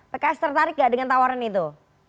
pks tertarik gak dengan tawaran itu